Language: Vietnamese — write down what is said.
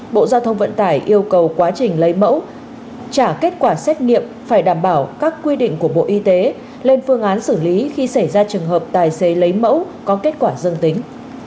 bộ giao thông vận tải yêu cầu quá trình lấy mẫu trả kết quả xét nghiệm phải đảm bảo các quy định của bộ y tế lên phương án xử lý khi xảy ra trường hợp tài xế lấy mẫu có kết quả dương tính